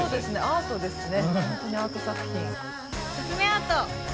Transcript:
アートですね。